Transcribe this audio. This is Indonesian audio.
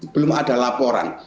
belum ada laporan